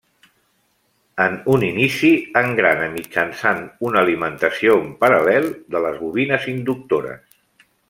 En un inici engrana mitjançant una alimentació en paral·lel de les bobines inductores.